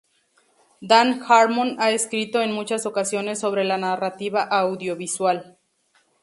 Dan Harmon ha escrito en muchas ocasiones sobre la narrativa audiovisual.